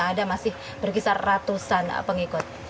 ada masih berkisar ratusan pengikut